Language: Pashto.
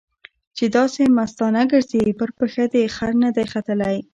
چې داسې مستانه ګرځې؛ پر پښه دې خر نه دی ختلی.